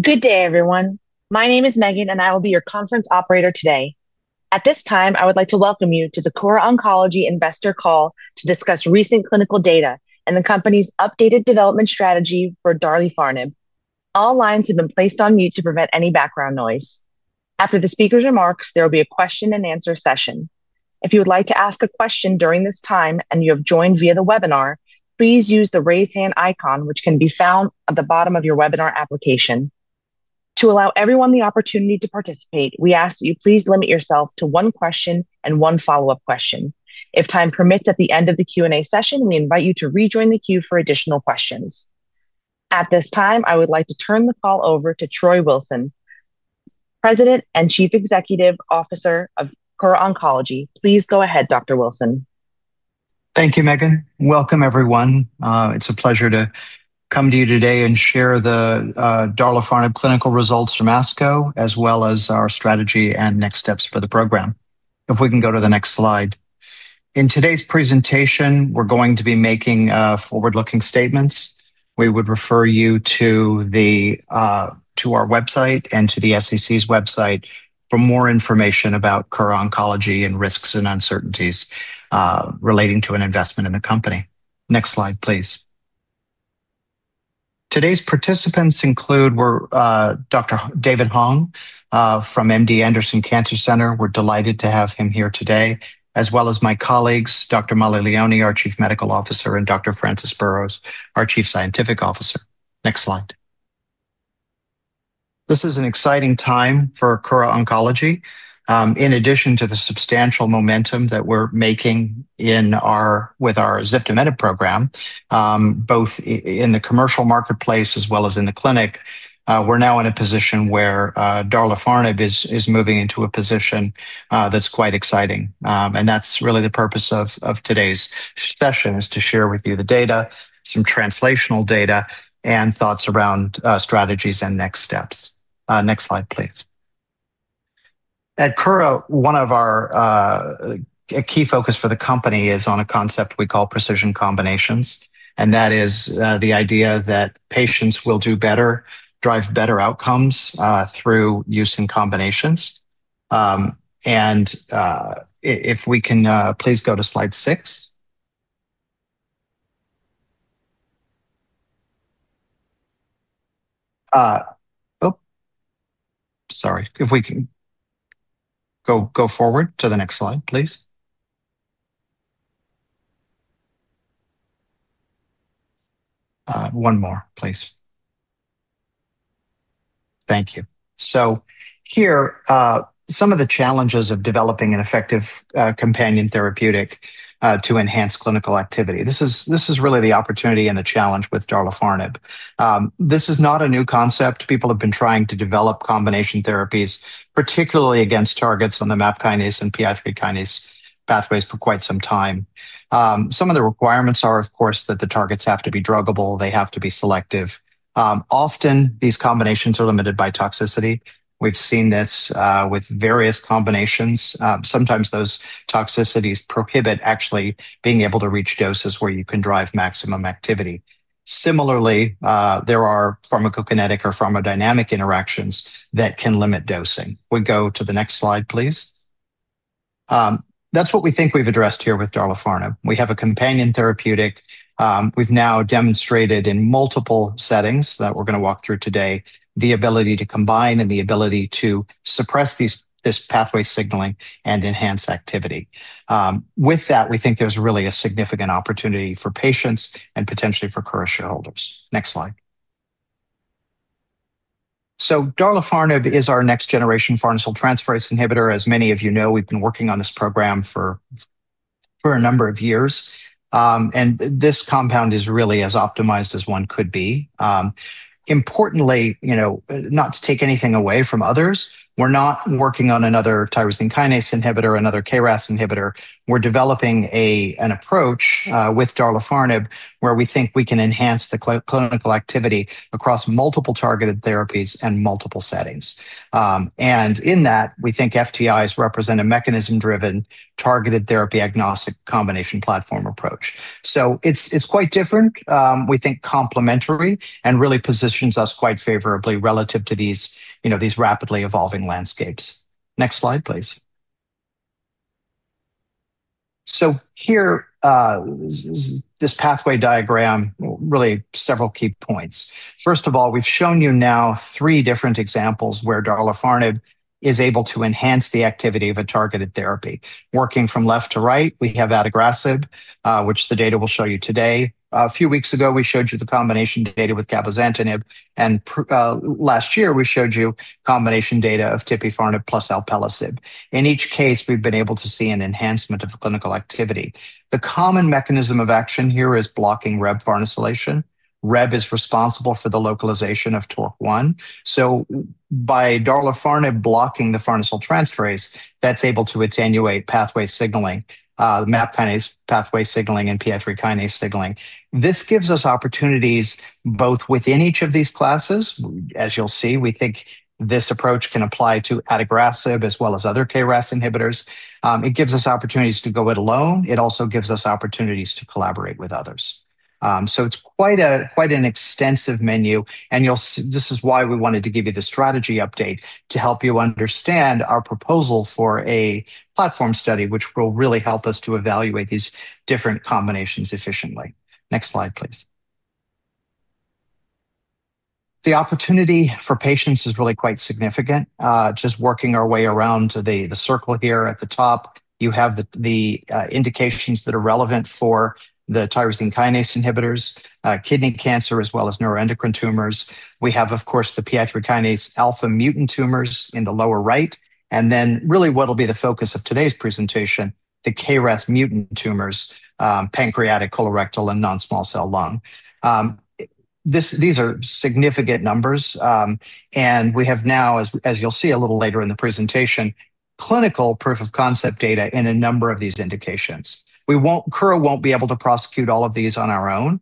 Good day, everyone. My name is Megan, and I will be your conference operator today. At this time, I would like to welcome you to the Kura Oncology investor call to discuss recent clinical data and the company's updated development strategy for darlifarnib. All lines have been placed on mute to prevent any background noise. After the speaker's remarks, there will be a question and answer session. If you would like to ask a question during this time and you have joined via the webinar, please use the Raise Hand icon, which can be found at the bottom of your webinar application. To allow everyone the opportunity to participate, we ask that you please limit yourself to one question and one follow-up question. If time permits, at the end of the Q&A session, we invite you to rejoin the queue for additional questions. At this time, I would like to turn the call over to Troy Wilson, President and Chief Executive Officer of Kura Oncology. Please go ahead, Dr. Wilson. Thank you, Megan. Welcome, everyone. It's a pleasure to come to you today and share the darlifarnib clinical results from ASCO, as well as our strategy and next steps for the program. If we can go to the next slide. In today's presentation, we're going to be making forward-looking statements. We would refer you to our website and to the SEC's website for more information about Kura Oncology and risks and uncertainties relating to an investment in the company. Next slide, please. Today's participants include Dr. David Hong from MD Anderson Cancer Center, we're delighted to have him here today, as well as my colleagues, Dr. Mollie Leoni, our Chief Medical Officer, and Dr. Francis Burrows, our Chief Scientific Officer. Next slide. This is an exciting time for Kura Oncology. In addition to the substantial momentum that we're making with our ziftomenib program, both in the commercial marketplace as well as in the clinic, we're now in a position where darlifarnib is moving into a position that's quite exciting. That's really the purpose of today's session is to share with you the data, some translational data, and thoughts around strategies and next steps. Next slide, please. At Kura, one of our key focus for the company is on a concept we call precision combinations, and that is the idea that patients will do better, drive better outcomes, through use in combinations. If we can please go to slide 6. Oh, sorry. If we can go forward to the next slide, please. One more, please. Thank you. Here, some of the challenges of developing an effective companion therapeutic to enhance clinical activity. This is really the opportunity and the challenge with darlifarnib. This is not a new concept. People have been trying to develop combination therapies, particularly against targets on the MAP kinase and PI3 kinase pathways, for quite some time. Some of the requirements are, of course, that the targets have to be drugable. They have to be selective. Often, these combinations are limited by toxicity. We've seen this with various combinations. Sometimes those toxicities prohibit actually being able to reach doses where you can drive maximum activity. Similarly, there are pharmacokinetic or pharmacodynamic interactions that can limit dosing. We go to the next slide, please. That's what we think we've addressed here with darlifarnib. We have a companion therapeutic. We've now demonstrated in multiple settings that we're going to walk through today the ability to combine and the ability to suppress this pathway signaling and enhance activity. With that, we think there's really a significant opportunity for patients and potentially for Kura shareholders. Next slide. Darlifarnib is our next-generation farnesyl transferase inhibitor. As many of you know, we've been working on this program for a number of years. This compound is really as optimized as one could be. Importantly, not to take anything away from others, we're not working on another tyrosine kinase inhibitor, another KRAS inhibitor. We're developing an approach with darlifarnib where we think we can enhance the clinical activity across multiple targeted therapies and multiple settings. In that, we think FTIs represent a mechanism-driven, targeted therapy-agnostic combination platform approach. It's quite different, we think complementary, and really positions us quite favorably relative to these rapidly evolving landscapes. Next slide, please. Here, this pathway diagram, really several key points. First of all, we've shown you now three different examples where darlifarnib is able to enhance the activity of a targeted therapy. Working from left to right, we have adagrasib, which the data will show you today. A few weeks ago, we showed you the combination data with cabozantinib, and last year we showed you combination data of tipifarnib plus alpelisib. In each case, we've been able to see an enhancement of clinical activity. The common mechanism of action here is blocking Rheb farnesylation. Rheb is responsible for the localization of mTORC1. By darlifarnib blocking the farnesyl transferase, that's able to attenuate pathway signaling, the MAP kinase pathway signaling, and PI3 kinase signaling. This gives us opportunities both within each of these classes. As you'll see, we think this approach can apply to adagrasib as well as other KRAS inhibitors. It gives us opportunities to go it alone. It also gives us opportunities to collaborate with others. It's quite an extensive menu, and this is why we wanted to give you the strategy update to help you understand our proposal for a platform study, which will really help us to evaluate these different combinations efficiently. Next slide, please. The opportunity for patients is really quite significant. Just working our way around the circle here at the top, you have the indications that are relevant for the tyrosine kinase inhibitors, kidney cancer, as well as neuroendocrine tumors. We have, of course, the PI3 kinase alpha mutant tumors in the lower right. Then really what'll be the focus of today's presentation, the KRAS mutant tumors, pancreatic, colorectal, and non-small cell lung. These are significant numbers. We have now, as you'll see a little later in the presentation, clinical proof of concept data in a number of these indications. Kura won't be able to prosecute all of these on our own.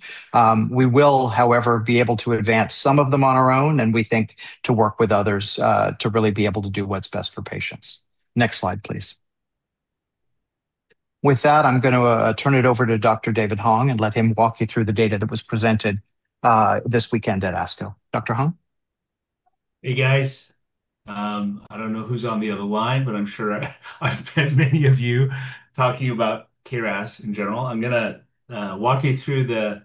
We will, however, be able to advance some of them on our own, and we think to work with others, to really be able to do what's best for patients. Next slide, please. With that, I'm going to turn it over to Dr. David Hong and let him walk you through the data that was presented this weekend at ASCO. Dr. Hong? Hey, guys. I don't know who's on the other line, but I'm sure I've met many of you talking about KRAS in general. I'm going to walk you through the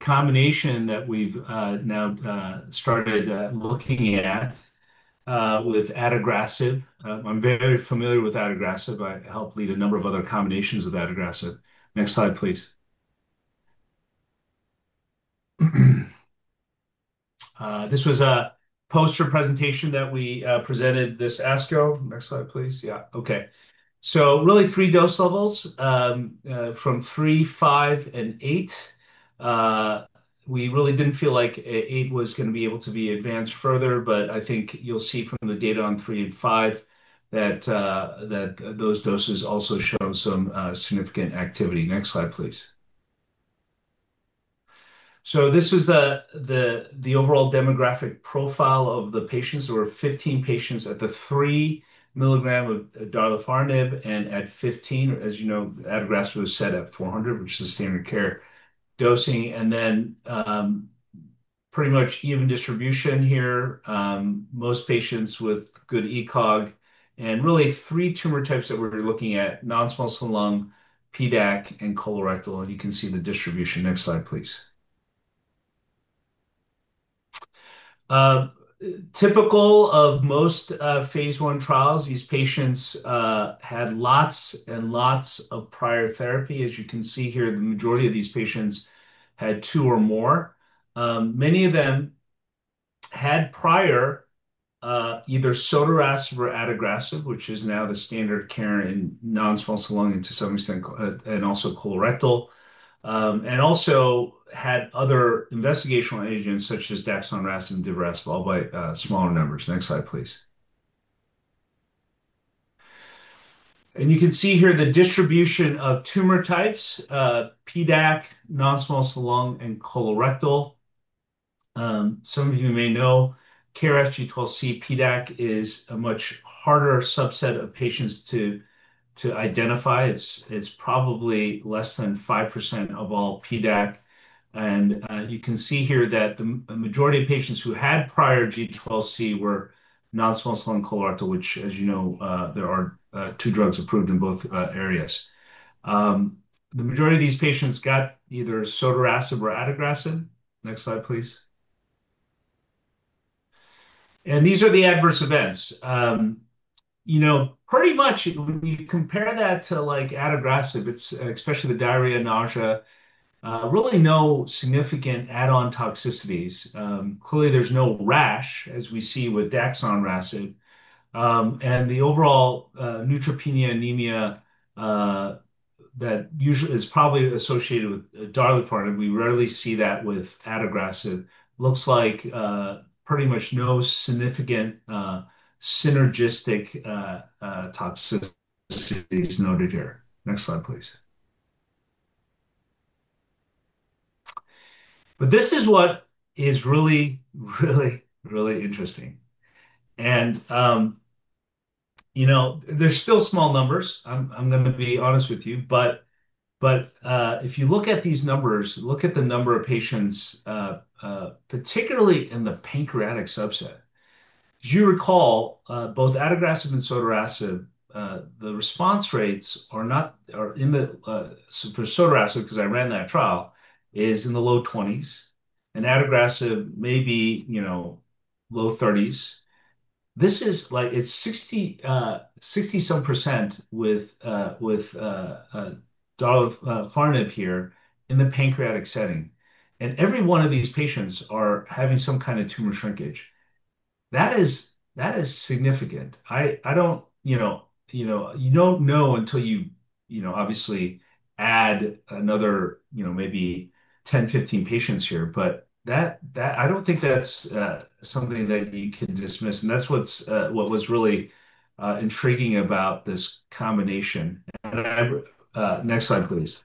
combination that we've now started looking at with adagrasib. I'm very familiar with adagrasib. I helped lead a number of other combinations with adagrasib. Next slide, please. This was a poster presentation that we presented this ASCO. Next slide, please. Yeah. Okay. Really three dose levels, from 3, 5, and 8. We really didn't feel like 8 was going to be able to be advanced further, but I think you'll see from the data on 3 and 5 that those doses also show some significant activity. Next slide, please. This is the overall demographic profile of the patients. There were 15 patients at the 3 milligram of darlifarnib and at 15. As you know, adagrasib was set at 400, which is the standard care dosing. Pretty much even distribution here. Most patients with good ECOG and really three tumor types that we're looking at, non-small cell lung, PDAC, and colorectal. You can see the distribution. Next slide, please. Typical of most phase I trials, these patients had lots and lots of prior therapy. As you can see here, the majority of these patients had two or more. Many of them had prior, either sotorasib or adagrasib, which is now the standard care in non-small cell lung to some extent, and also colorectal. Also had other investigational agents such as daraxonrasib and divarasib, albeit smaller numbers. Next slide, please. You can see here the distribution of tumor types, PDAC, non-small cell lung, and colorectal. Some of you may know KRAS G12C PDAC is a much harder subset of patients to identify. It's probably less than 5% of all PDAC. You can see here that the majority of patients who had prior G12C were non-small cell and colorectal, which as you know, there are two drugs approved in both areas. The majority of these patients got either sotorasib or adagrasib. Next slide, please. These are the adverse events. Pretty much when you compare that to adagrasib, especially the diarrhea, nausea, really no significant add-on toxicities. Clearly, there's no rash as we see with daraxonrasib. The overall neutropenia anemia that usually is probably associated with darlifarnib, we rarely see that with adagrasib. Looks like pretty much no significant synergistic toxicities noted here. Next slide, please. This is what is really, really interesting. There's still small numbers. I'm going to be honest with you. If you look at these numbers, look at the number of patients, particularly in the pancreatic subset. As you recall, both adagrasib and sotorasib, the response rates are in the, for sotorasib, because I ran that trial, is in the low 20s, and adagrasib may be low 30s. This is like it's 60-some% with darlifarnib here in the pancreatic setting. Every one of these patients are having some kind of tumor shrinkage. That is significant. You don't know until you obviously add another maybe 10, 15 patients here. I don't think that's something that you can dismiss. That's what was really intriguing about this combination. Next slide, please.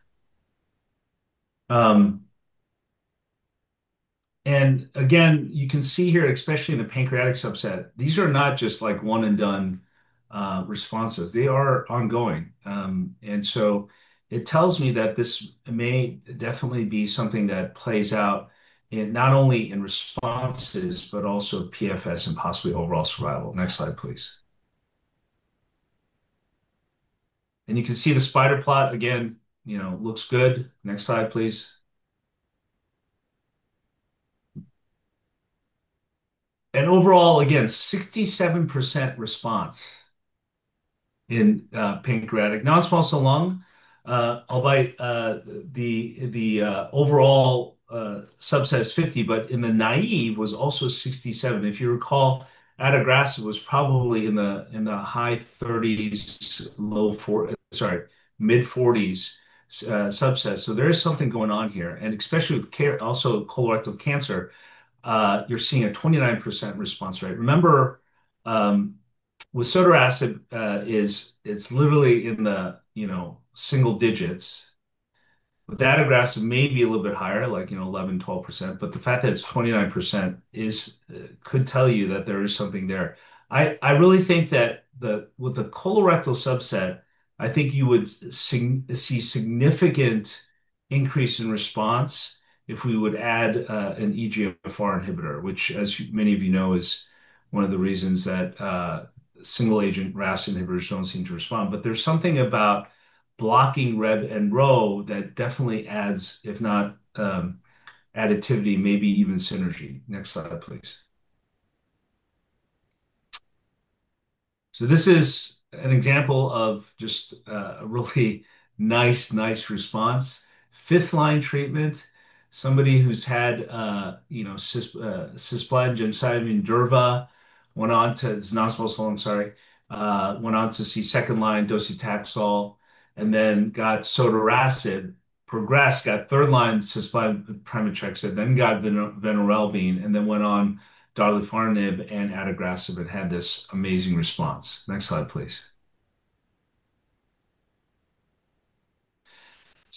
Again, you can see here, especially in the pancreatic subset, these are not just one-and-done responses. They are ongoing. It tells me that this may definitely be something that plays out in not only in responses, but also PFS and possibly overall survival. Next slide, please. You can see the spider plot again, looks good. Next slide, please. Overall, again, 67% response in pancreatic. Now, small cell lung, albeit the overall subset is 50, but in the naive was also 67. If you recall, adagrasib was probably in the high 30s, mid-40s subset. There is something going on here. Especially with care, also colorectal cancer, you're seeing a 29% response rate. Remember, with sotorasib, it's literally in the single digits. With adagrasib may be a little bit higher, like 11%, 12%. The fact that it's 29% could tell you that there is something there. I really think that with the colorectal subset, I think you would see significant increase in response if we would add an EGFR inhibitor, which as many of you know is one of the reasons that single agent RAS inhibitors don't seem to respond. There's something about blocking [RET and RO] that definitely adds, if not additivity, maybe even synergy. Next slide, please. This is an example of just a really nice response. 5th line treatment. Somebody who's had cisplat gemcitabine Durva, went on to see 2nd line docetaxel and then got sotorasib. Progressed, got 3rd line cisplat pemetrexed, then got venetoclax, and then went on darlifarnib and adagrasib and had this amazing response. Next slide, please.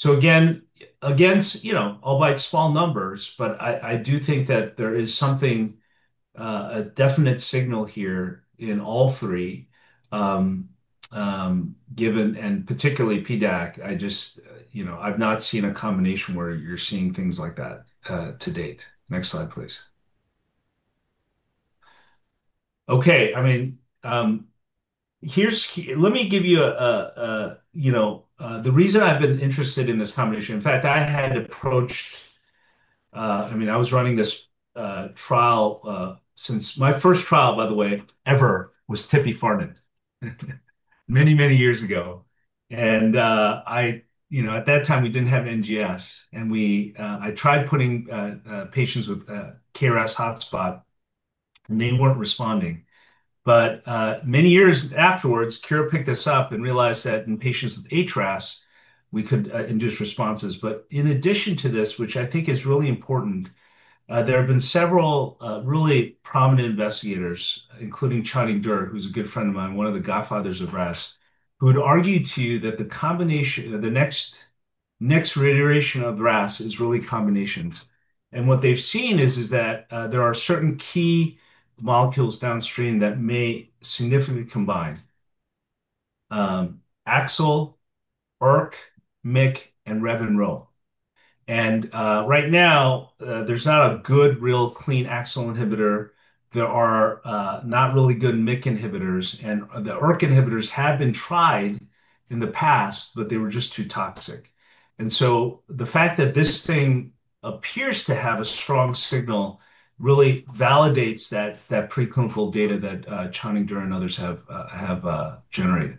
Again, against, albeit small numbers, but I do think that there is something, a definite signal here in all three, given and particularly PDAC. I've not seen a combination where you're seeing things like that to date. Next slide, please. Let me give you the reason I've been interested in this combination. My first trial, by the way, ever was tipifarnib many years ago. At that time, we didn't have NGS. I tried putting patients with a KRAS hotspot, and they weren't responding. Many years afterwards, Kura picked this up and realized that in patients with HRAS, we could induce responses. In addition to this, which I think is really important, there have been several really prominent investigators, including Channing Der, who's a good friend of mine, one of the godfathers of RAS, who had argued to you that the next reiteration of RAS is really combinations. What they've seen is that there are certain key molecules downstream that may significantly combine. AXL, ERK, MYC, and Rheb and mTOR. Right now, there's not a good real clean AXL inhibitor. There are not really good MYC inhibitors. The ERK inhibitors have been tried in the past, but they were just too toxic. The fact that this thing appears to have a strong signal really validates that preclinical data that Channing Der and others have generated.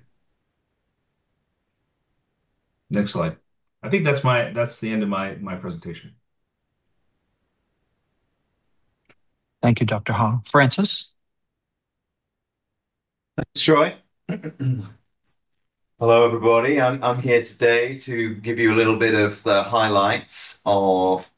Next slide. I think that's the end of my presentation. Thank you, Dr. Hong. Francis? Thanks, Troy. Hello, everybody. I'm here today to give you a little bit of the highlights of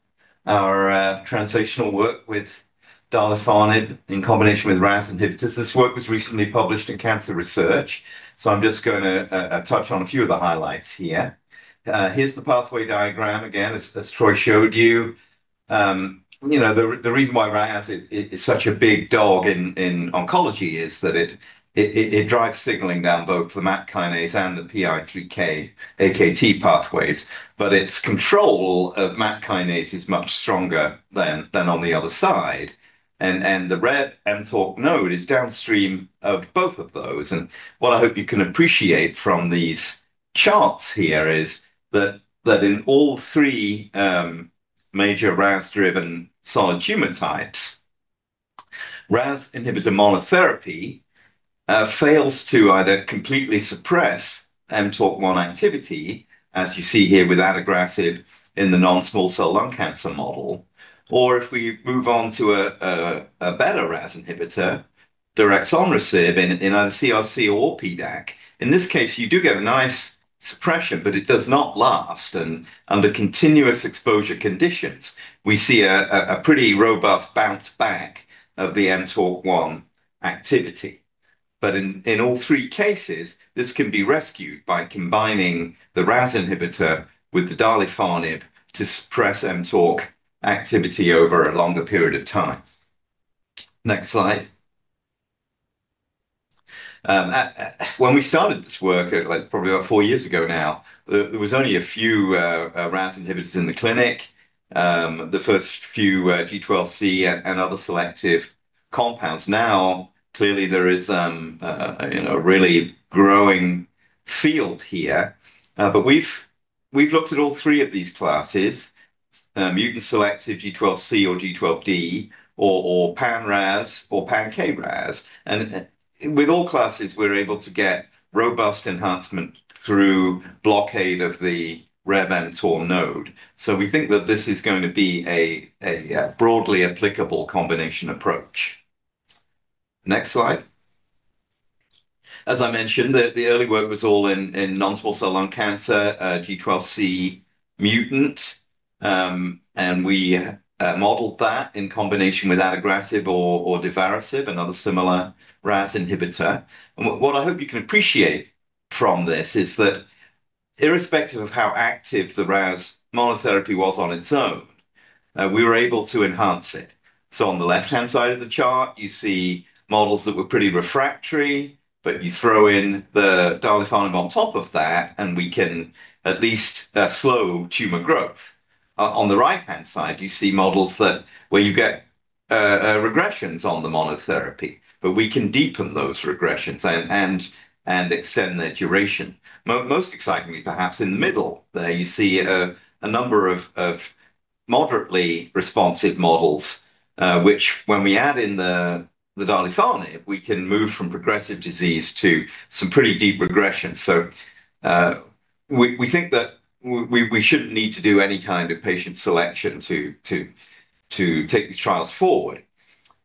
our translational work with darolutinib in combination with RAS inhibitors. This work was recently published in Cancer Research. I'm just going to touch on a few of the highlights here. Here's the pathway diagram again, as Troy showed you. The reason why RAS is such a big dog in oncology is that it drives signaling down both the MAP kinase and the PI3K/Akt pathways. Its control of MAP kinase is much stronger than on the other side. The Rheb-mTOR node is downstream of both of those. What I hope you can appreciate from these charts here is that in all three major RAS-driven solid tumor types, RAS inhibitor monotherapy fails to either completely suppress mTORC1 activity, as you see here with adagrasib in the non-small cell lung cancer model. If we move on to a better RAS inhibitor, darlifarnib in either CRC or PDAC. In this case, you do get a nice suppression, but it does not last. Under continuous exposure conditions, we see a pretty robust bounce back of the mTORC1 activity. In all three cases, this can be rescued by combining the RAS inhibitor with the darlifarnib to suppress mTORC activity over a longer period of time. Next slide. When we started this work, it was probably about four years ago now, there was only a few RAS inhibitors in the clinic. The first few G12C and other selective compounds. Now clearly there is a really growing field here. We've looked at all three of these classes, mutant-selective G12C or G12D, or pan-RAS or pan-KRAS. With all classes, we're able to get robust enhancement through blockade of the Rheb/mTOR node. We think that this is going to be a broadly applicable combination approach. Next slide. As I mentioned, the early work was all in non-small cell lung cancer, G12C mutant, and we modeled that in combination with adagrasib or divarasib, another similar RAS inhibitor. What I hope you can appreciate from this is that irrespective of how active the RAS monotherapy was on its own, we were able to enhance it. On the left-hand side of the chart, you see models that were pretty refractory, but you throw in the darlifarnib on top of that, and we can at least slow tumor growth. On the right-hand side, you see models where you get regressions on the monotherapy, but we can deepen those regressions and extend their duration. Most excitingly, perhaps, in the middle there, you see a number of moderately responsive models, which when we add in the darlifarnib, we can move from progressive disease to some pretty deep regressions. We think that we shouldn't need to do any kind of patient selection to take these trials forward.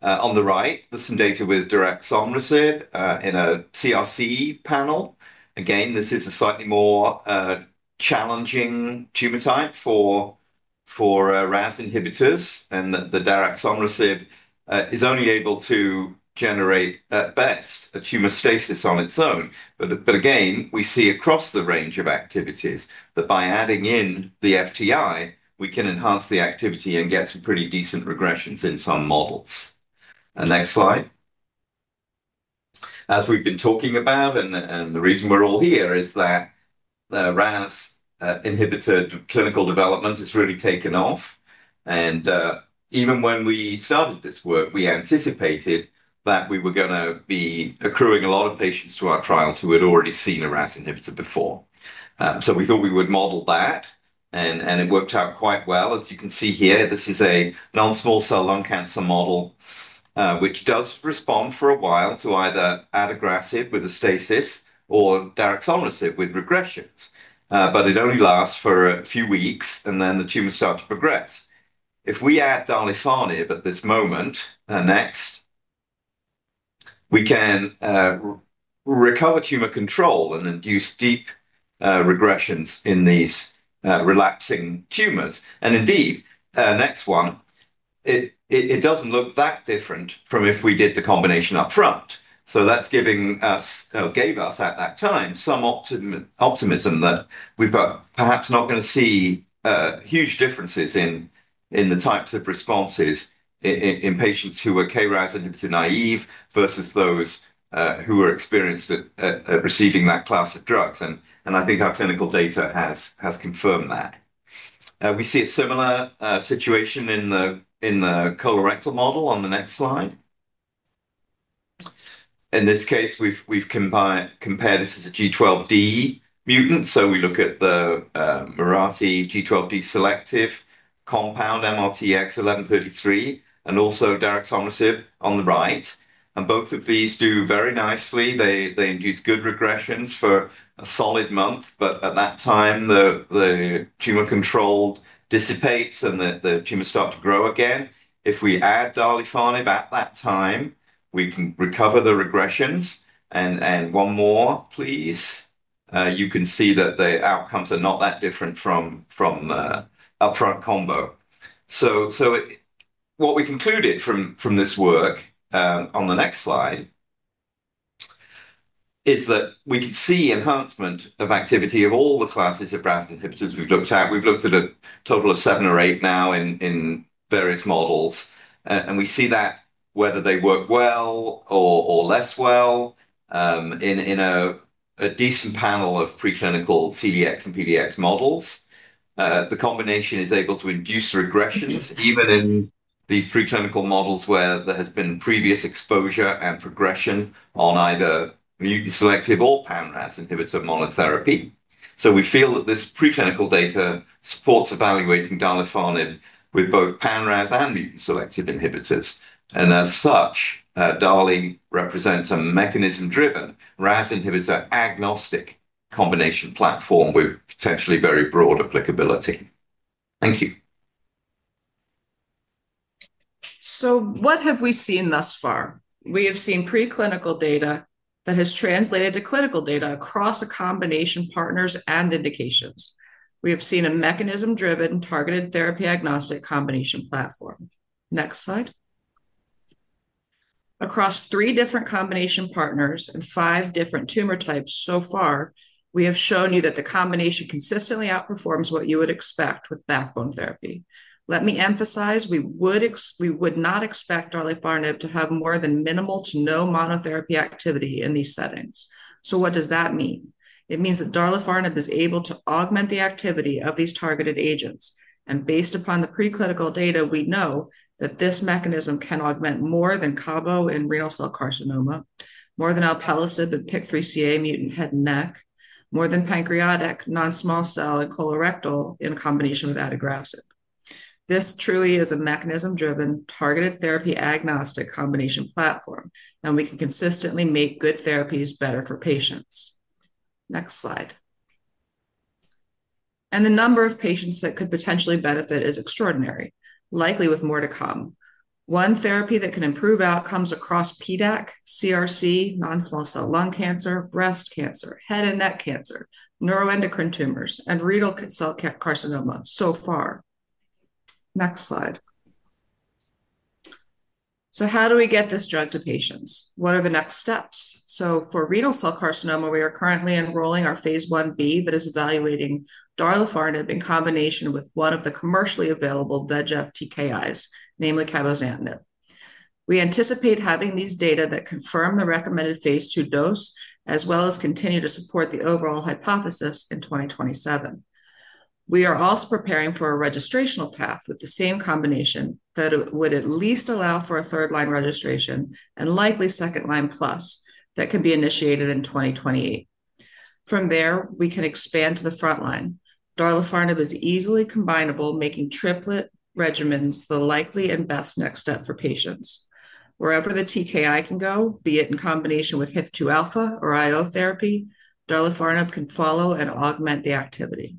On the right, there's some data with darlifarnib in a CRC panel. This is a slightly more challenging tumor type for RAS inhibitors, and the darlifarnib is only able to generate, at best, a tumor stasis on its own. We see across the range of activities that by adding in the FTI, we can enhance the activity and get some pretty decent regressions in some models. Next slide. As we've been talking about, the reason we're all here is that RAS inhibitor clinical development has really taken off. Even when we started this work, we anticipated that we were going to be accruing a lot of patients to our trials who had already seen a RAS inhibitor before. We thought we would model that, and it worked out quite well. As you can see here, this is a non-small cell lung cancer model, which does respond for a while to either adagrasib with a stasis or darlifarnib with regressions. It only lasts for a few weeks and then the tumors start to progress. If we add darlifarnib at this moment, next, we can recover tumor control and induce deep regressions in these relaxing tumors. Indeed, next one, it doesn't look that different from if we did the combination up front. That's giving us, or gave us at that time, some optimism that we're perhaps not going to see huge differences in the types of responses in patients who were KRAS-inhibitor naive versus those who were experienced at receiving that class of drugs. I think our clinical data has confirmed that. We see a similar situation in the colorectal model on the next slide. In this case, we've compared, this is a G12D mutant, we look at the Mirati G12D-selective compound, MRTX1133, and also darlifarnib on the right. Both of these do very nicely. They induce good regressions for a solid month, but at that time, the tumor control dissipates and the tumors start to grow again. If we add darlifarnib at that time, we can recover the regressions and, one more, please. You can see that the outcomes are not that different from the upfront combo. What we concluded from this work, on the next slide, is that we could see enhancement of activity of all the classes of RAS inhibitors we've looked at. We've looked at a total of seven or eight now in various models. We see that whether they work well or less well, in a decent panel of preclinical CDX and PDX models, the combination is able to induce regressions even in these preclinical models where there has been previous exposure and progression on either mutant-selective or pan-RAS inhibitor monotherapy. We feel that this preclinical data supports evaluating darlifarnib with both pan-RAS and mutant-selective inhibitors, and as such, DALI represents a mechanism-driven, RAS inhibitor-agnostic combination platform with potentially very broad applicability. Thank you. What have we seen thus far? We have seen preclinical data that has translated to clinical data across a combination partners and indications. We have seen a mechanism-driven, targeted therapy-agnostic combination platform. Next slide. Across three different combination partners and five different tumor types so far, we have shown you that the combination consistently outperforms what you would expect with backbone therapy. Let me emphasize, we would not expect daralfernib to have more than minimal to no monotherapy activity in these settings. What does that mean? It means that daralfernib is able to augment the activity of these targeted agents. Based upon the preclinical data, we know that this mechanism can augment more than cabo in renal cell carcinoma, more than alpelisib in PIK3CA mutant head and neck, more than pancreatic, non-small cell, and colorectal in combination with adagrasib. This truly is a mechanism-driven, targeted therapy-agnostic combination platform. We can consistently make good therapies better for patients. Next slide. The number of patients that could potentially benefit is extraordinary, likely with more to come. One therapy that can improve outcomes across PDAC, CRC, non-small cell lung cancer, breast cancer, head and neck cancer, neuroendocrine tumors, and renal cell carcinoma so far. Next slide. How do we get this drug to patients? What are the next steps? For renal cell carcinoma, we are currently enrolling our phase I-B that is evaluating daralfernib in combination with one of the commercially available VEGF TKIs, namely cabozantinib. We anticipate having these data that confirm the recommended phase II dose, as well as continue to support the overall hypothesis in 2027. We are also preparing for a registrational path with the same combination that would at least allow for a third-line registration and likely second-line plus that can be initiated in 2028. From there, we can expand to the front line. daralfernib is easily combinable, making triplet regimens the likely and best next step for patients. Wherever the TKI can go, be it in combination with HIF-2α or IO therapy, daralfernib can follow and augment the activity.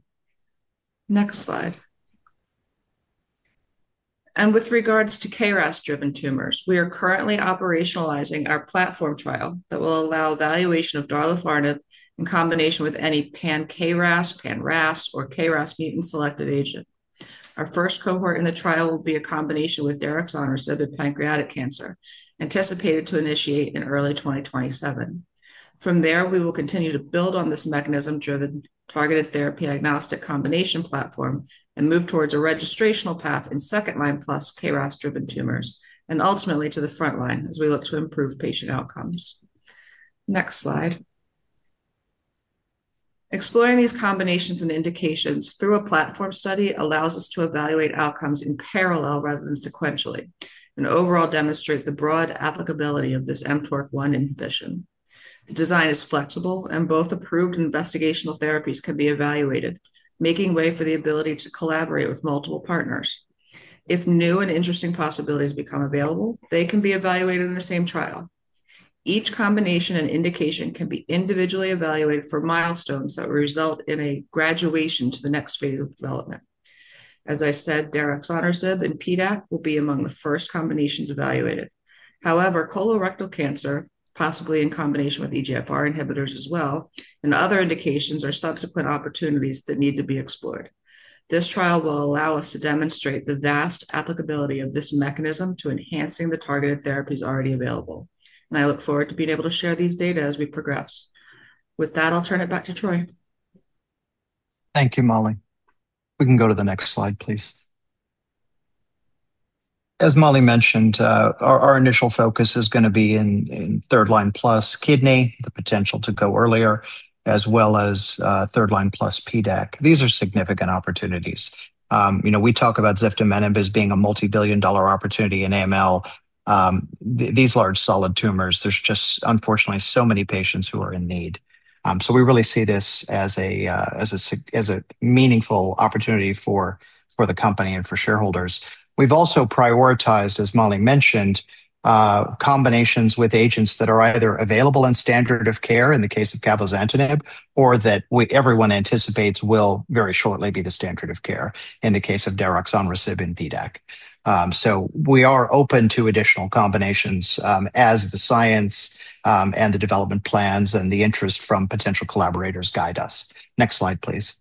Next slide. With regards to KRAS-driven tumors, we are currently operationalizing our platform trial that will allow evaluation of daralfernib in combination with any pan-KRAS, pan-RAS, or KRAS mutant selective agent. Our first cohort in the trial will be a combination with [deruxtecan] or cetuximab pancreatic cancer, anticipated to initiate in early 2027. From there, we will continue to build on this mechanism-driven, targeted therapy-agnostic combination platform and move towards a registrational path in second-line plus KRAS-driven tumors, and ultimately to the front line as we look to improve patient outcomes. Next slide. Exploring these combinations and indications through a platform study allows us to evaluate outcomes in parallel rather than sequentially, and overall demonstrate the broad applicability of this mTORC1 inhibition. The design is flexible, and both approved and investigational therapies can be evaluated, making way for the ability to collaborate with multiple partners. If new and interesting possibilities become available, they can be evaluated in the same trial. Each combination and indication can be individually evaluated for milestones that will result in a graduation to the next phase of development. As I said, darlifarnib and PDAC will be among the first combinations evaluated. Colorectal cancer, possibly in combination with EGFR inhibitors as well, and other indications are subsequent opportunities that need to be explored. This trial will allow us to demonstrate the vast applicability of this mechanism to enhancing the targeted therapies already available, and I look forward to being able to share these data as we progress. With that, I'll turn it back to Troy. Thank you, Mollie. We can go to the next slide, please. As Mollie mentioned, our initial focus is going to be in 3rd line plus kidney, the potential to go earlier, as well as 3rd line plus PDAC. These are significant opportunities. We talk about ziftomenib as being a multi-billion dollar opportunity in AML. These large solid tumors, there's just unfortunately so many patients who are in need. We really see this as a meaningful opportunity for the company and for shareholders. We've also prioritized, as Mollie mentioned, combinations with agents that are either available in standard of care in the case of cabozantinib, or that everyone anticipates will very shortly be the standard of care in the case of divarasib and PDAC. We are open to additional combinations as the science and the development plans and the interest from potential collaborators guide us. Next slide, please.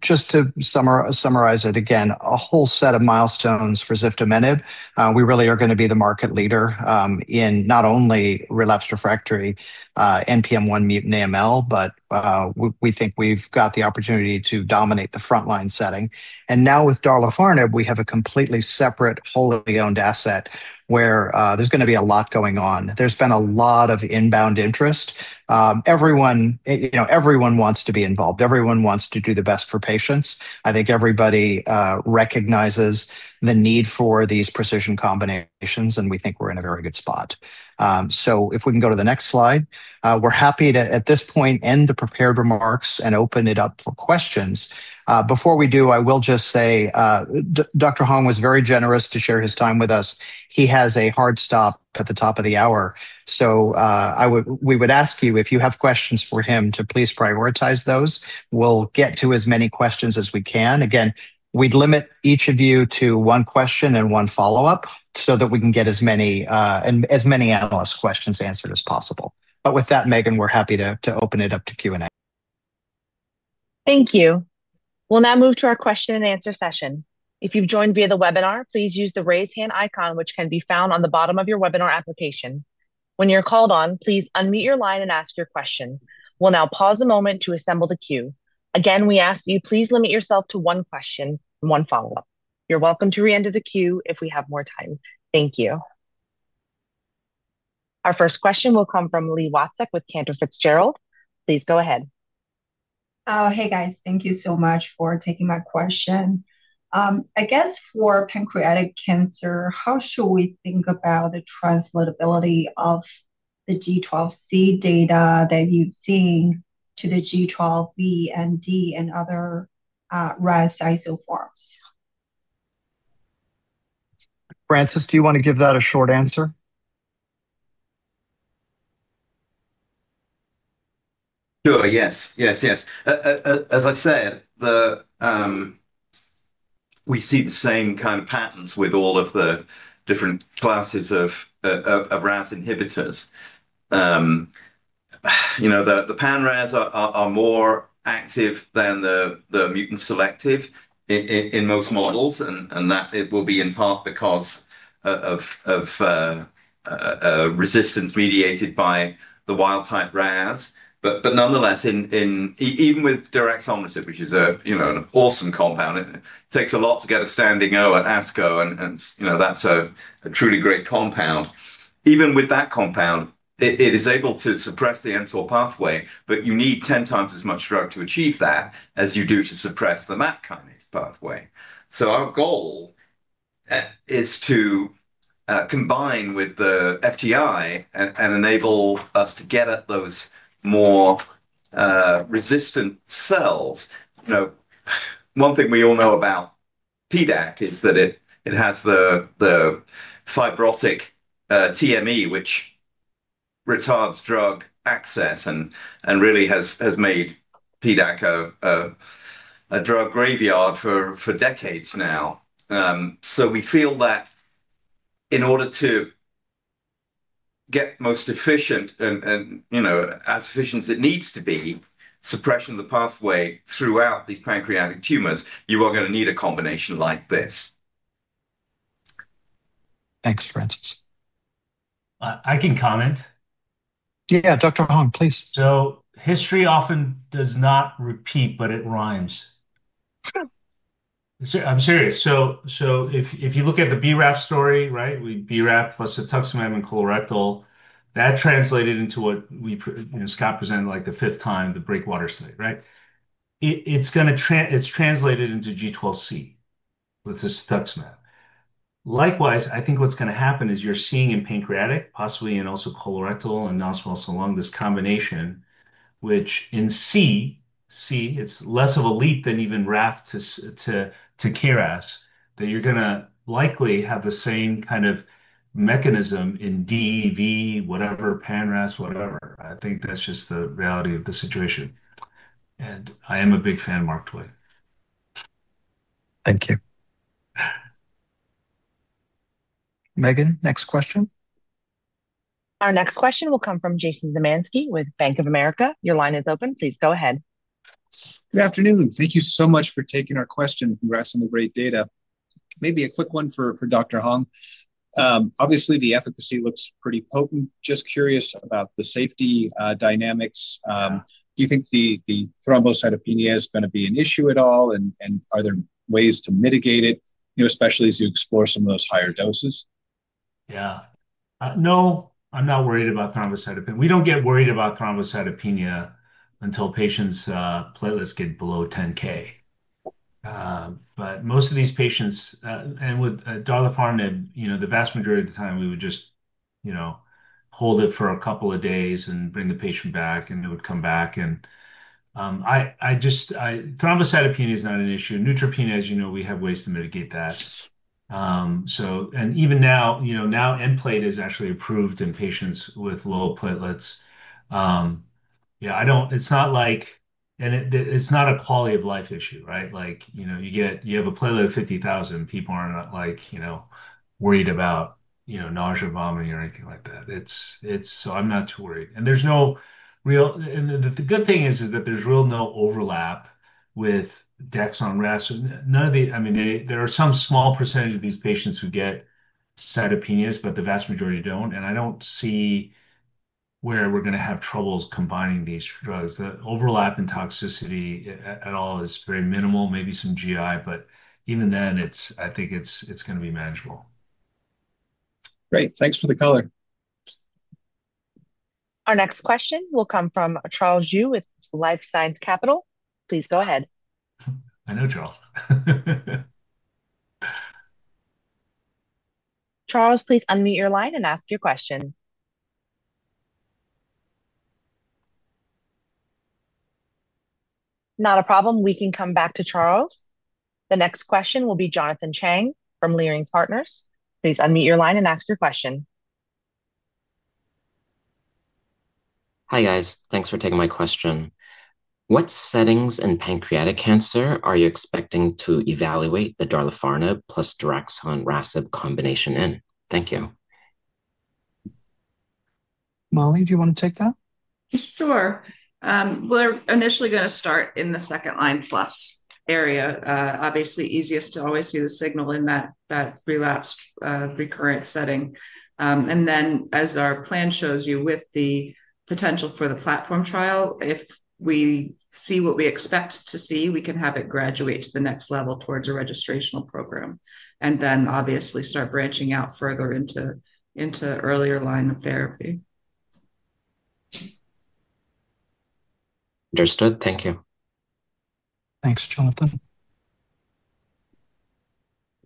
Just to summarize it again, a whole set of milestones for ziftomenib. We really are going to be the market leader in not only relapsed/refractory NPM1 mutant AML, but we think we've got the opportunity to dominate the front-line setting. Now with darlifarnib, we have a completely separate, wholly-owned asset where there's going to be a lot going on. There's been a lot of inbound interest. Everyone wants to be involved. Everyone wants to do the best for patients. I think everybody recognizes the need for these precision combinations, and we think we're in a very good spot. If we can go to the next slide. We're happy to, at this point, end the prepared remarks and open it up for questions. Before we do, I will just say, Dr. Hong was very generous to share his time with us. He has a hard stop at the top of the hour. We would ask you, if you have questions for him, to please prioritize those. We'll get to as many questions as we can. Again, we'd limit each of you to one question and one follow-up so that we can get as many analyst questions answered as possible. With that, Megan, we're happy to open it up to Q&A. Thank you. We'll now move to our question and answer session. If you've joined via the webinar, please use the Raise Hand icon, which can be found on the bottom of your webinar application. When you're called on, please unmute your line and ask your question. We'll now pause a moment to assemble the queue. Again, we ask that you please limit yourself to one question and one follow-up. You're welcome to reenter the queue if we have more time. Thank you. Our first question will come from Li Watsek with Cantor Fitzgerald. Please go ahead. Oh, hey, guys. Thank you so much for taking my question. I guess for pancreatic cancer, how should we think about the translatability of the G12C data that you're seeing to the G12V and D and other RAS isoforms? Francis, do you want to give that a short answer? Sure. Yes. As I said, we see the same kind of patterns with all of the different classes of RAS inhibitors. The pan-RAS are more active than the mutant selective in most models, and that it will be in part because of resistance mediated by the wild-type RAS. Nonetheless, even with [diraxant], which is an awesome compound, it takes a lot to get a standing O at ASCO, and that's a truly great compound. Even with that compound, it is able to suppress the mTOR pathway, but you need 10 times as much drug to achieve that as you do to suppress the MAP kinase pathway. Our goal is to combine with the FTI and enable us to get at those more resistant cells. One thing we all know about PDAC is that it has the fibrotic TME, which retards drug access and really has made PDAC a drug graveyard for decades now. We feel that in order to get most efficient and as efficient as it needs to be, suppression of the pathway throughout these pancreatic tumors, you are going to need a combination like this. Thanks, Francis. I can comment. Yeah, Dr. Hong, please. History often does not repeat, but it rhymes. I'm serious. If you look at the BRAF story, right? BRAF plus cetuximab in colorectal, that translated into what Scott presented like the fifth time, the BREAKWATER study, right? It's translated into G12C with cetuximab. Likewise, I think what's going to happen is you're seeing in pancreatic, possibly in also colorectal and non-small cell lung, this combination, which in C, it's less of a leap than even RAF to KRAS, that you're going to likely have the same kind of mechanism in DEV, whatever, pan-RAS, whatever. I think that's just the reality of the situation. I am a big fan of Mark Twight. Thank you. Megan, next question. Our next question will come from Jason Zemansky with Bank of America. Your line is open. Please go ahead. Good afternoon. Thank you so much for taking our question. Congrats on the great data. Maybe a quick one for Dr. Hong. Obviously, the efficacy looks pretty potent. Just curious about the safety dynamics. Do you think the thrombocytopenia is going to be an issue at all, and are there ways to mitigate it, especially as you explore some of those higher doses? Yeah. No, I'm not worried about thrombocytopenia. We don't get worried about thrombocytopenia until patients' platelets get below 10K. Most of these patients, and with darlifarnib, the vast majority of the time, we would just hold it for a couple of days and bring the patient back, and it would come back. Thrombocytopenia is not an issue. Neutropenia, as you know, we have ways to mitigate that. Even now, Nplate is actually approved in patients with low platelets. It's not a quality of life issue, right? You have a platelet of 50,000, people are not worried about nausea, vomiting, or anything like that. I'm not too worried. The good thing is that there's really no overlap with daraxonrasib. There are some small percentage of these patients who get cytopenias, but the vast majority don't. I don't see where we're going to have troubles combining these drugs. The overlap in toxicity at all is very minimal, maybe some GI, but even then, I think it's going to be manageable. Great. Thanks for the color. Our next question will come from Charles Zhu with LifeSci Capital. Please go ahead. I know Charles. Charles, please unmute your line and ask your question. Not a problem. We can come back to Charles. The next question will be Jonathan Chang from Leerink Partners. Please unmute your line and ask your question. Hi, guys. Thanks for taking my question. What settings in pancreatic cancer are you expecting to evaluate the darlifarnib plus diraxant RAS combination in? Thank you. Mollie, do you want to take that? Sure. We're initially going to start in the 2nd-line plus area. Obviously, easiest to always see the signal in that relapsed, recurrent setting. As our plan shows you with the potential for the platform trial, if we see what we expect to see, we can have it graduate to the next level towards a registrational program, and then obviously start branching out further into earlier line of therapy. Understood. Thank you. Thanks, Jonathan.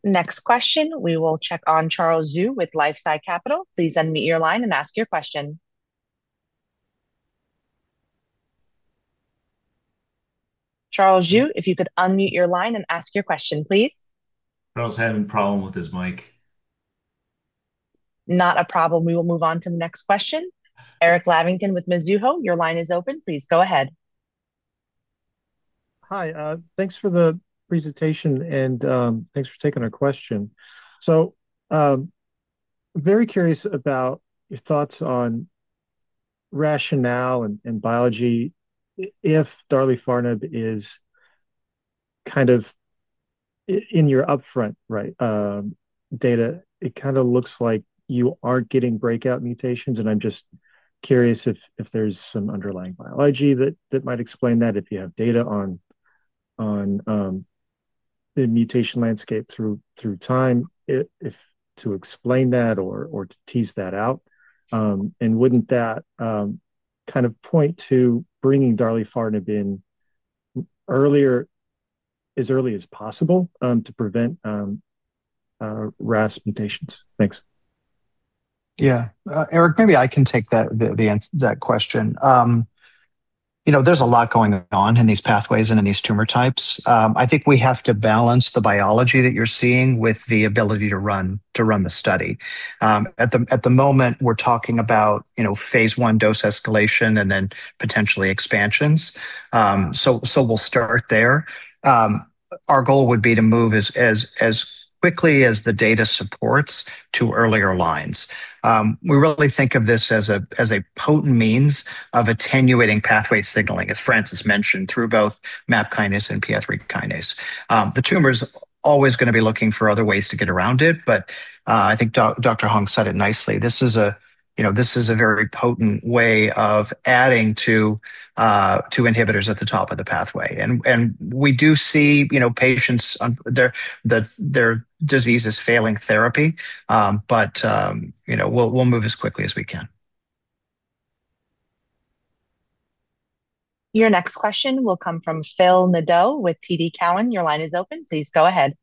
Next question, we will check on Charles Zhu with LifeSci Capital. Please unmute your line and ask your question. Charles Zhu, if you could unmute your line and ask your question, please. Charles is having a problem with his mic. Not a problem. We will move on to the next question. Eric [inaudible] with Mizuho, your line is open. Please go ahead. Hi. Thanks for the presentation, and thanks for taking our question. Very curious about your thoughts on rationale and biology. If darlifarnib is kind of in your upfront, right, data, it kind of looks like you are getting breakout mutations, I'm just curious if there's some underlying biology that might explain that, if you have data on the mutation landscape through time, to explain that or to tease that out. Wouldn't that kind of point to bringing darlifarnib in as early as possible, to prevent RAS mutations? Thanks. Eric, maybe I can take that question. There's a lot going on in these pathways and in these tumor types. I think we have to balance the biology that you're seeing with the ability to run the study. At the moment, we're talking about phase I dose escalation and then potentially expansions. We'll start there. Our goal would be to move as quickly as the data supports to earlier lines. We really think of this as a potent means of attenuating pathway signaling, as Francis mentioned, through both MAP kinase and PI3 kinase. The tumor's always going to be looking for other ways to get around it, but I think Dr. Hong said it nicely. This is a very potent way of adding two inhibitors at the top of the pathway. We do see patients that their disease is failing therapy. We'll move as quickly as we can. Your next question will come from Phil Nadeau with TD Cowen. Your line is open. Please go ahead.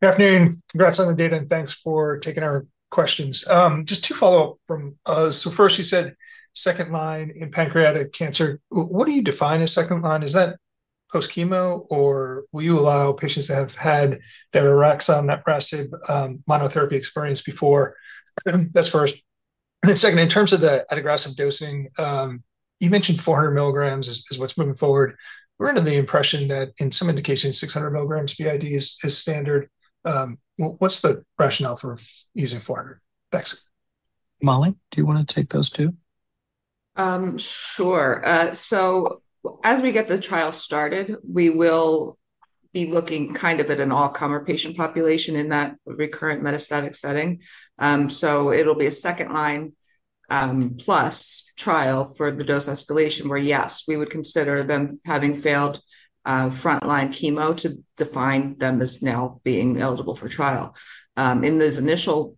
Good afternoon. Congrats on the data. Thanks for taking our questions. Just two follow-up from us. First you said second line in pancreatic cancer. What do you define as second line? Is that post-chemo, or will you allow patients to have had adagrasib monotherapy experience before? That's first. Second, in terms of the adagrasib dosing, you mentioned 400 milligrams is what's moving forward. We're under the impression that in some indications, 600 milligrams BID is standard. What's the rationale for using 400 milligrams? Thanks. Mollie, do you want to take those two? As we get the trial started, we will be looking kind of at an all-comer patient population in that recurrent metastatic setting. It'll be a second-line plus trial for the dose escalation where, yes, we would consider them having failed frontline chemo to define them as now being eligible for trial. In those initial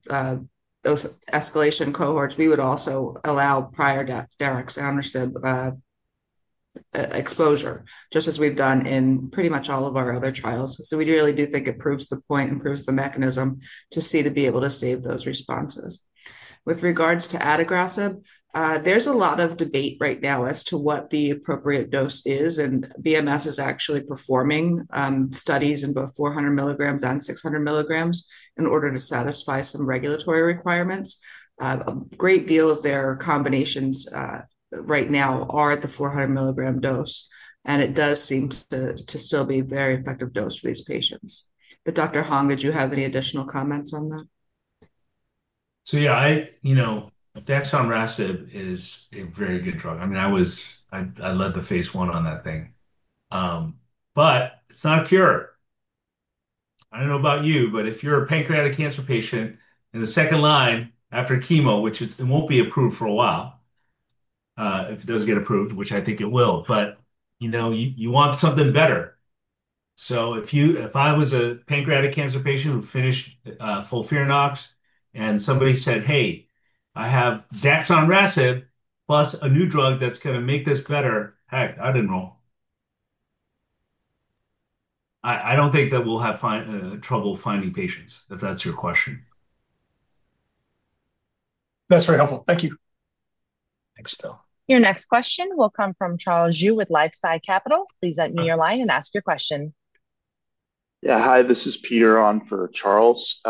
dose escalation cohorts, we would also allow prior adagrasib exposure, just as we've done in pretty much all of our other trials. We really do think it proves the point and proves the mechanism to be able to save those responses. With regards to adagrasib, there's a lot of debate right now as to what the appropriate dose is, and BMS is actually performing studies in both 400 milligrams and 600 milligrams in order to satisfy some regulatory requirements. A great deal of their combinations right now are at the 400 milligram dose, and it does seem to still be a very effective dose for these patients. Dr. Hong, did you have any additional comments on that? Yeah. Daraxonrasib is a very good drug. I led the phase I on that thing. It's not a cure. I don't know about you, but if you're a pancreatic cancer patient in the second line after chemo, which it won't be approved for a while, if it does get approved, which I think it will, you want something better. If I was a pancreatic cancer patient who finished FOLFIRINOX and somebody said, "Hey, I have daraxonrasib plus a new drug that's going to make this better," heck, I'd enroll. I don't think that we'll have trouble finding patients, if that's your question. That's very helpful. Thank you. Thanks, Phil. Your next question will come from Charles Zhu with LifeSci Capital. Please unmute your line and ask your question. Hi, this is Peter on for Charles.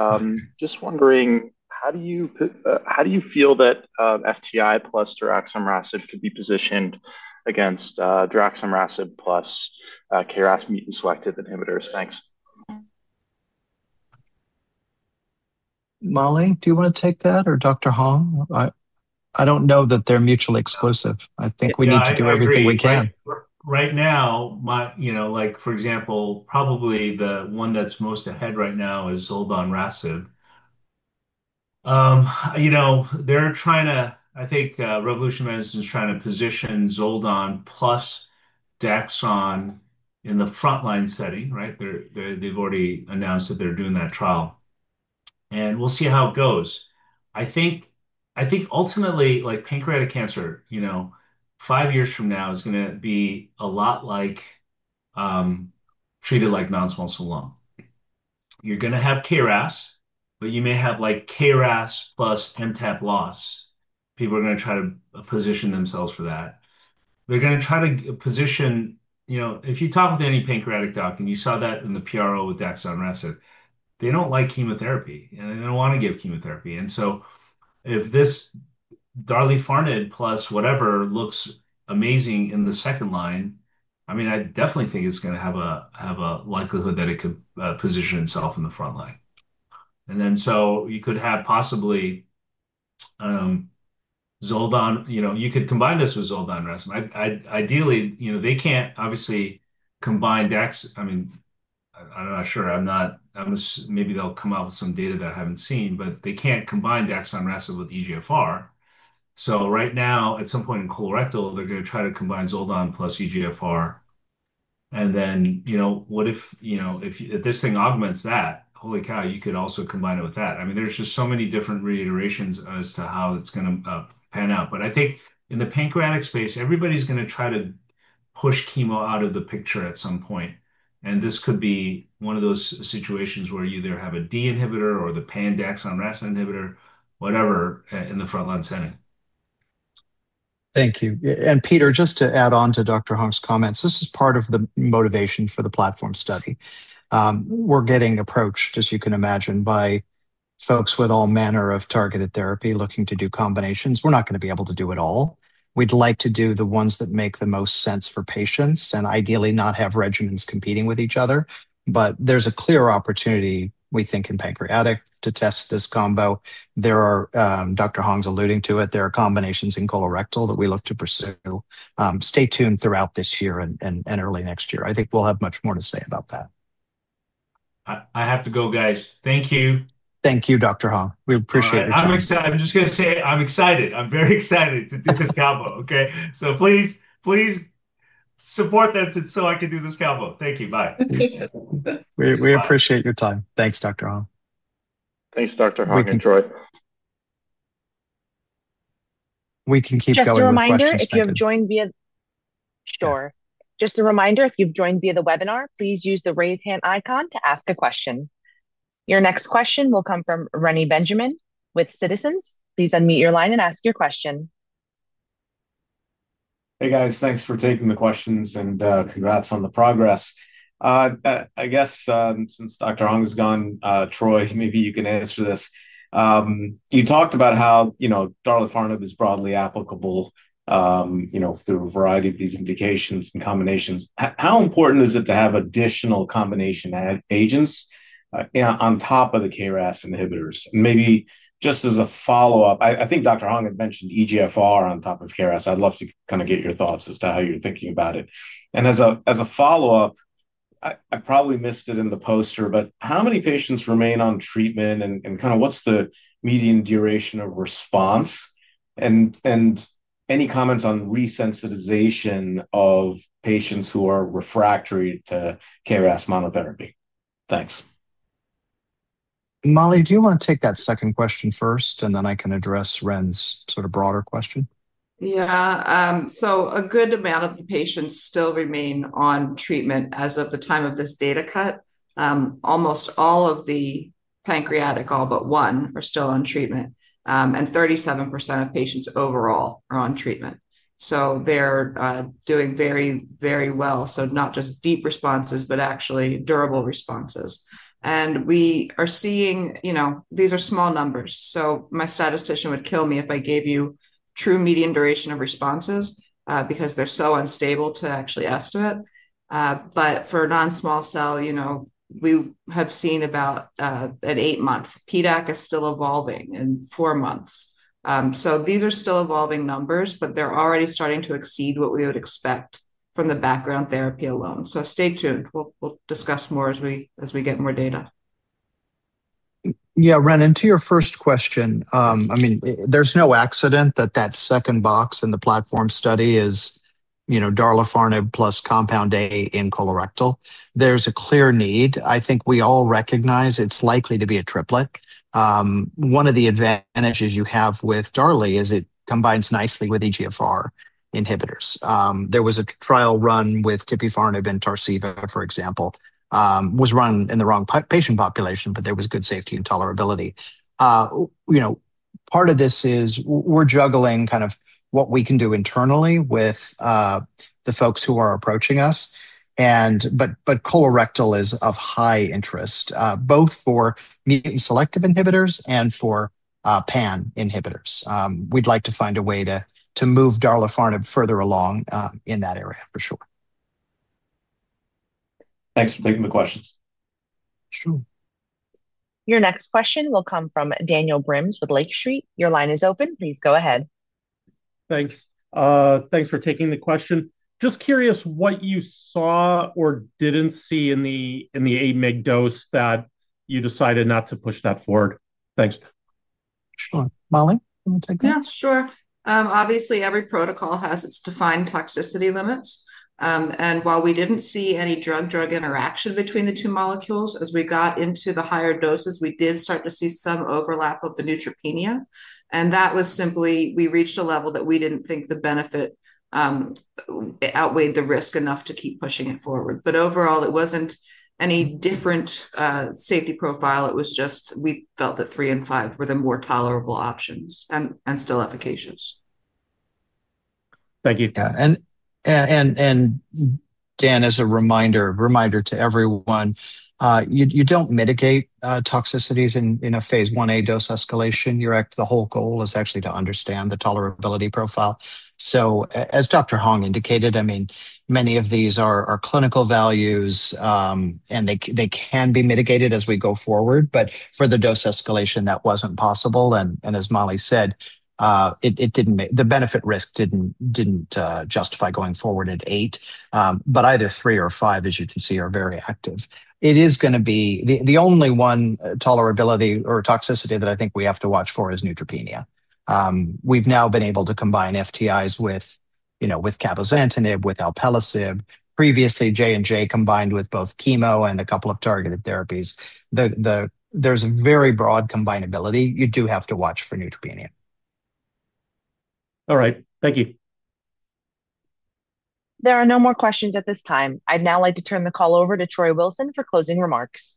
Just wondering, how do you feel that FTI plus daraxonrasib could be positioned against daraxonrasib plus KRAS mutant selective inhibitors? Thanks. Mollie, do you want to take that or Dr. Hong? I don't know that they're mutually exclusive. I think we need to do everything we can. Yeah, I agree. Right now, for example, probably the one that's most ahead right now is zoldonrasib. I think Revolution Medicines is trying to position zoldonrasib plus Dexon in the frontline setting, right? They've already announced that they're doing that trial, and we'll see how it goes. I think ultimately pancreatic cancer, five years from now is going to be treated like non-small cell lung. You're going to have KRAS, but you may have KRAS plus MTAP loss. People are going to try to position themselves for that. If you talk with any pancreatic doc, and you saw that in the PRO with daraxonrasib, they don't like chemotherapy, and they don't want to give chemotherapy. So if this darlifarnib plus whatever looks amazing in the second line, I definitely think it's going to have a likelihood that it could position itself in the frontline. You could have possibly, you could combine this with zoldonrasib. Ideally, they can't obviously combine Dex. I'm not sure. Maybe they'll come out with some data that I haven't seen, they can't combine daraxonrasib with EGFR. Right now, at some point in colorectal, they're going to try to combine Zoldon plus EGFR. What if this thing augments that, holy cow, you could also combine it with that. There's just so many different reiterations as to how it's going to pan out. I think in the pancreatic space, everybody's going to try to push chemo out of the picture at some point, and this could be one of those situations where you either have a G12D inhibitor or the pan-RAS inhibitor, whatever, in the frontline setting. Thank you. Peter, just to add on to Dr. Hong's comments, this is part of the motivation for the platform study. We're getting approached, as you can imagine, by folks with all manner of targeted therapy looking to do combinations. We're not going to be able to do it all. We'd like to do the ones that make the most sense for patients, and ideally not have regimens competing with each other. There's a clear opportunity, we think, in pancreatic to test this combo. Dr. Hong's alluding to it. There are combinations in colorectal that we look to pursue. Stay tuned throughout this year and early next year. I think we'll have much more to say about that. I have to go, guys. Thank you. Thank you, Dr. Hong. We appreciate your time. All right. I'm just going to say I'm excited. I'm very excited to do this combo, okay? Please support them so I can do this combo. Thank you. Bye. We appreciate your time. Thanks, Dr. Hong. Thanks, Dr. Hong and Troy. We can keep going with questions, thank you. Just a reminder, if you've joined via the webinar, please use the Raise Hand icon to ask a question. Your next question will come from Ren Benjamin with Citizens JMP. Please unmute your line and ask your question. Hey, guys. Thanks for taking the questions and congrats on the progress. I guess since Dr. Hong is gone, Troy, maybe you can answer this. You talked about how darlifarnib is broadly applicable through a variety of these indications and combinations. How important is it to have additional combination agents on top of the KRAS inhibitors? Maybe just as a follow-up, I think Dr. Hong had mentioned EGFR on top of KRAS. I'd love to kind of get your thoughts as to how you're thinking about it. As a follow-up, I probably missed it in the poster, but how many patients remain on treatment, and kind of what's the median duration of response? Any comments on resensitization of patients who are refractory to KRAS monotherapy? Thanks. Mollie, do you want to take that second question first, and then I can address Ren's sort of broader question? A good amount of the patients still remain on treatment as of the time of this data cut. Almost all of the pancreatic, all but one, are still on treatment. 37% of patients overall are on treatment. They're doing very well. Not just deep responses, but actually durable responses. We are seeing, these are small numbers, my statistician would kill me if I gave you true median duration of responses, because they're so unstable to actually estimate. For non-small cell, we have seen about at eight months. PDAC is still evolving in four months. These are still evolving numbers, but they're already starting to exceed what we would expect from the background therapy alone. Stay tuned. We'll discuss more as we get more data. Yeah, Ren, to your first question, there's no accident that that second box in the platform study is darlifarnib plus compound A in colorectal. There's a clear need. I think we all recognize it's likely to be a triplet. One of the advantages you have with darlifarnib is it combines nicely with EGFR inhibitors. There was a trial run with tipifarnib and Tarceva, for example, was run in the wrong patient population, but there was good safety and tolerability. Part of this is we're juggling kind of what we can do internally with the folks who are approaching us, but colorectal is of high interest, both for MEK selective inhibitors and for pan-RAS inhibitors. We'd like to find a way to move darlifarnib further along in that area for sure. Thanks for taking the questions. Sure. Your next question will come from Daniel Brims with Lake Street. Your line is open. Please go ahead. Thanks. Thanks for taking the question. Just curious what you saw or didn't see in the eight mg dose that you decided not to push that forward? Thanks. Sure. Mollie, do you want to take that? Yeah, sure. Obviously, every protocol has its defined toxicity limits. While we didn't see any drug-drug interaction between the two molecules, as we got into the higher doses, we did start to see some overlap of the neutropenia, and that was simply we reached a level that we didn't think the benefit outweighed the risk enough to keep pushing it forward. Overall, it wasn't any different safety profile. It was just we felt that three and five were the more tolerable options and still efficacious. Thank you. Yeah. Dan, as a reminder to everyone, you don't mitigate toxicities in a phase I-A dose escalation. The whole goal is actually to understand the tolerability profile. As Dr. Hong indicated, many of these are clinical values, and they can be mitigated as we go forward, but for the dose escalation, that wasn't possible. As Mollie said, the benefit risk didn't justify going forward at eight, but either three or five, as you can see, are very active. The only one tolerability or toxicity that I think we have to watch for is neutropenia. We've now been able to combine FTIs with cabozantinib, with alpelisib. Previously, J&J combined with both chemo and a couple of targeted therapies. There's a very broad combinability. You do have to watch for neutropenia. All right. Thank you. There are no more questions at this time. I'd now like to turn the call over to Troy Wilson for closing remarks.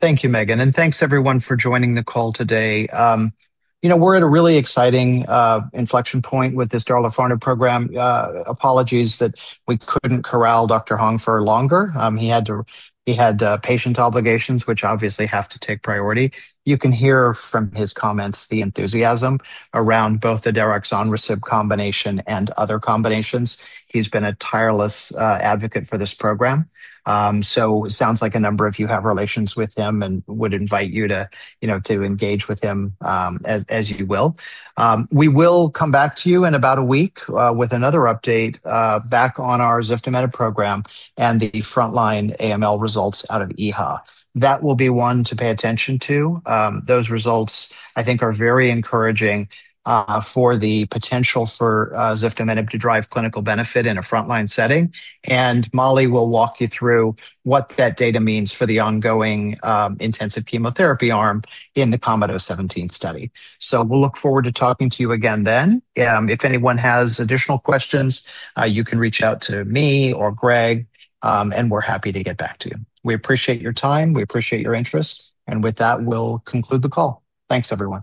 Thank you, Megan. Thanks, everyone, for joining the call today. We're at a really exciting inflection point with this daralfernib program. Apologies that we couldn't corral Dr. Hong for longer. He had patient obligations, which obviously have to take priority. You can hear from his comments the enthusiasm around both the daralfernib combination and other combinations. He's been a tireless advocate for this program. Sounds like a number of you have relations with him and would invite you to engage with him as you will. We will come back to you in about a week with another update back on our ziftomenib program and the frontline AML results out of EHA. That will be one to pay attention to. Those results, I think, are very encouraging for the potential for ziftomenib to drive clinical benefit in a frontline setting. Mollie will walk you through what that data means for the ongoing intensive chemotherapy arm in the KOMET-017 study. We'll look forward to talking to you again then. If anyone has additional questions, you can reach out to me or Greg, and we're happy to get back to you. We appreciate your time. We appreciate your interest. With that, we'll conclude the call. Thanks, everyone.